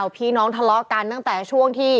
พี่น้องทะเลาะกันตั้งแต่ช่วงที่